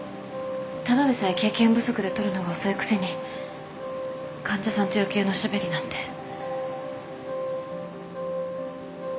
ただでさえ経験不足で撮るのが遅いくせに患者さんと余計なおしゃべりなんて。